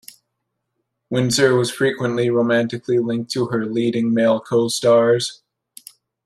Windsor was frequently romantically linked to her leading male co-stars.